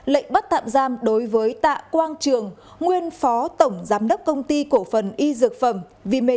lệnh bắt tạm giam đối với tạ quang trường nguyên phó tổng giám đốc công ty cổ phần y dược phẩm v medic